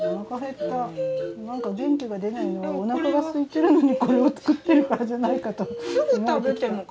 何か元気が出ないのはおなかがすいてるのにこれを作ってるからじゃないかと思えてきた。